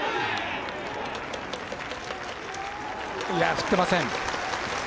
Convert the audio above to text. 振ってません。